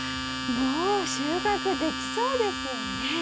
もう収穫できそうですよね？